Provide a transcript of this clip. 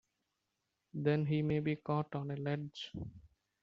Then he may be caught on a ledge!